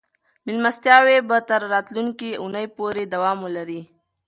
مېلمستیاوې به تر راتلونکې اونۍ پورې دوام ولري.